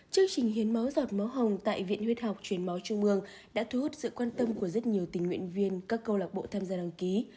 chương trình hiến máu giọt máu hồng tại viện huyết học truyền máu trung ương đã thu hút sự quan tâm của rất nhiều tình nguyện viên các câu lạc bộ tham gia đăng ký